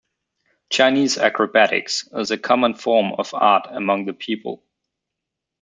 Chinese acrobatics is a common form of art among the people.